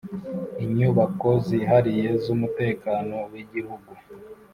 Inyubako zihariye z umutekano w Igihugu